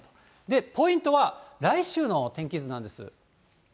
ポイントは、来週の天気図なんです。